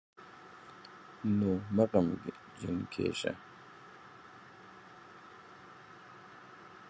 نو مه غمجن کېږئ